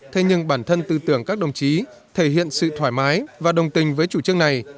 thế nhưng bản thân tư tưởng các đồng chí thể hiện sự thoải mái và đồng tình với chủ trương này